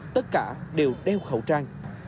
tất cả đều đeo khẩu trang